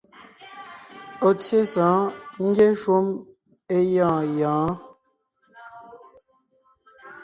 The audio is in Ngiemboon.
Ɔ̀ tsyé sɔ̌ɔn ngyɛ́ shúm é gyɔ̂ɔn gyɔ̌ɔn.